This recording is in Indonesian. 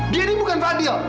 dia ini bukan fadil